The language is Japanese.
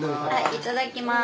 いただきます。